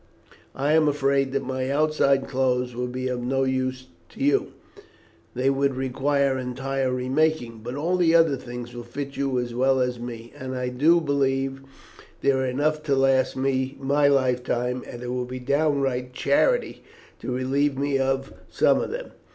I am afraid that my outside clothes will be of no use to you they would require entire remaking; but all the other things will fit you as well as me. I do believe that there are enough to last me my life time; and it will be downright charity to relieve me of some of them.